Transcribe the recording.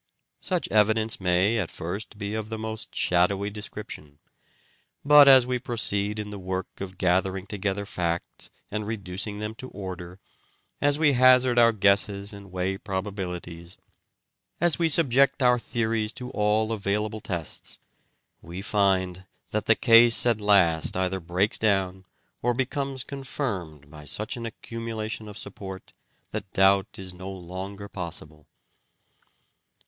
Such evidence may at first be of the most shadowy de scription ; but as we proceed in the work of gathering together facts and reducing them to order, as we hazard our guesses and weigh probabilities, as we subject our theories to all available tests, we find that the case at last either breaks down or becomes confirmed by such an accumulation of support that METHOD OF SOLUTION 105 doubt is no longer possible.